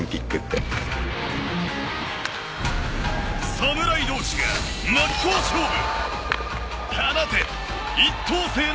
侍同士が真っ向勝負！